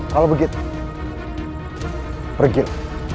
kalau begitu pergilah